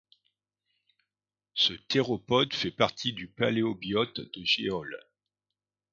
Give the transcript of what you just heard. Ce théropode fait partie du paléobiote de Jehol.